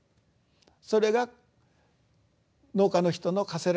それが農家の人の課せられた宿命ですよ